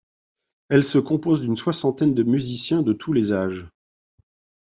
Elle se compose d'une soixantaine de musiciens, de tous les âges.